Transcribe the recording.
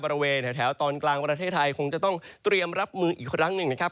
บริเวณแถวตอนกลางประเทศไทยคงจะต้องเตรียมรับมืออีกครั้งหนึ่งนะครับ